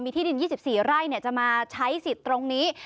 ที่ดิน๒๔ไร่จะมาใช้สิทธิ์ตรงนี้